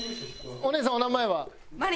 お姉さんお名前は？